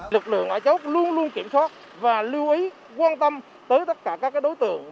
lực lượng ở chỗ luôn luôn kiểm soát và lưu ý quan tâm tới tất cả các đối tượng